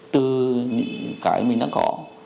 từ cái mình đã có